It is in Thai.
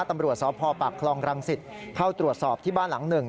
ตำรวจสพปากคลองรังสิตเข้าตรวจสอบที่บ้านหลังหนึ่ง